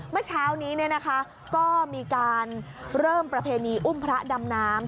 เมื่อเช้านี้ก็มีการเริ่มประเพณีอุ้มพระดำน้ำ